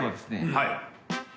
はい。